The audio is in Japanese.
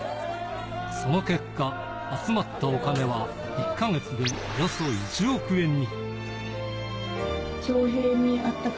その結果、集まったお金は１か月で、およそ１億円に。